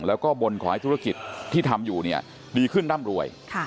แล้วก็บนขอให้ธุรกิจที่ทำอยู่เนี่ยดีขึ้นร่ำรวย